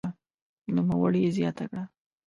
نوموړي زياته کړه